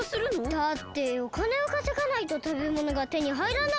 だっておかねをかせがないとたべものがてにはいらないですよ。